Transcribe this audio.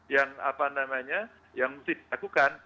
yang apa namanya yang mesti dilakukan